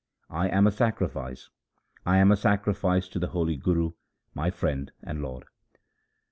I am a sacrifice, I am a sacrifice to the holy Guru, my friend and lord.